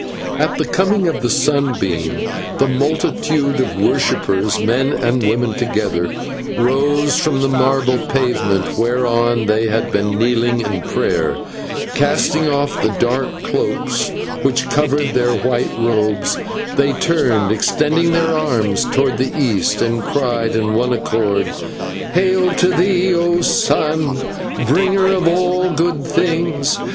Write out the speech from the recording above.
At the coming of the sunbeam the multitude of worshippers men and women together rose from the marble pavement whereon they had been kneeling in prayer, and, casting off the dark cloaks which covered their white robes, they turned, extending their arms towards the east, and cried with one accord: "Hail to thee, O sun! bringer of all good things.